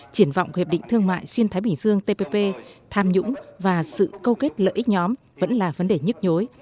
triển vọng hiệp định thương mại xuyên thái bình dương tpp tham nhũng và sự câu kết lợi ích nhóm vẫn là vấn đề nhức nhối